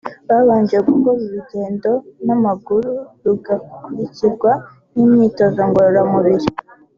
babanje gukora urugendo n’amaguru rugakurikirwa n’imyitozo ngororamubiri